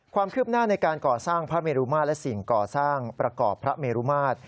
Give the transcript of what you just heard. ความคืบหน้าในการก่อสร้างพระเมรุมาตรและสิ่งก่อสร้างประกอบพระเมรุมาตร